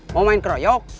mau main keroyok